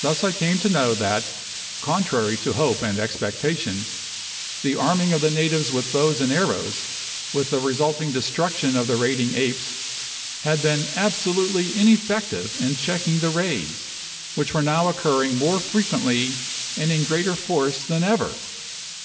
Thus I came to know that, contrary to hope and expectation, the arming of the natives with bows and arrows, with the resulting destruction of the raiding apes, had been absolutely ineffective in checking the raids, which were now occurring more frequently and in greater force than ever.